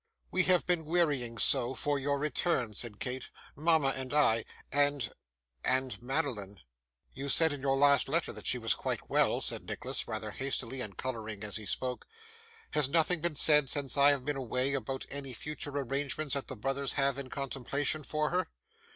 'We have been wearying so for your return,' said Kate, 'mama and I, and and Madeline.' 'You said in your last letter that she was quite well,' said Nicholas, rather hastily, and colouring as he spoke. 'Has nothing been said, since I have been away, about any future arrangements that the brothers have in contemplation for her?